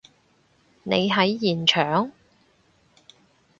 你喺現場？